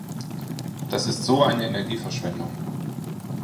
Das ist so eine Energieverschwendung!